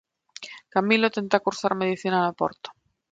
Camilo tenta cursar medicina no Porto.